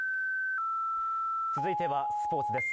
続いてはスポーツです